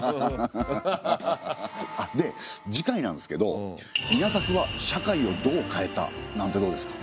あっで次回なんすけど「稲作は社会をどう変えた？」なんてどうですか？